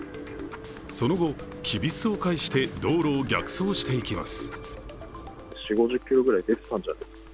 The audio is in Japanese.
その後、きびすを返して道路を逆走していきます。